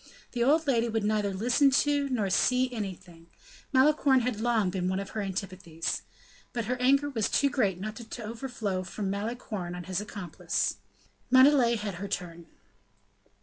The old lady would neither listen to nor see anything; Malicorne had long been one of her antipathies. But her anger was too great not to overflow from Malicorne on his accomplice. Montalais had her turn.